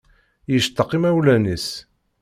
Yectaq imawlan-is.